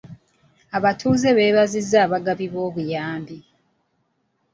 Abatuuze beebazizza abagabi b'obuyambi.